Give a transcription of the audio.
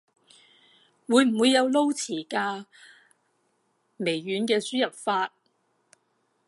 會唔會有撈詞㗎？微軟嘅輸入法